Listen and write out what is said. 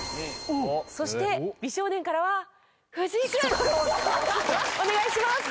そして美少年からは藤井君！お願いします。